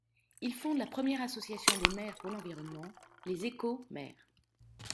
Il fonde la première association des maires pour l'environnement, les Eco-maires.